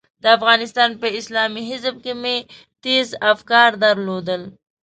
د افغانستان په اسلامي حزب کې مې تېز افکار درلودل.